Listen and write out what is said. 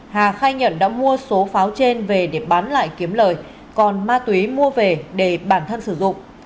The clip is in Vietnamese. hà khai nhận đã mua số pháo trên về để bán lại kiếm lời còn ma túy mua về để bản thân sử dụng